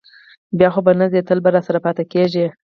بیا خو به نه ځې، تل به راسره پاتې کېږې؟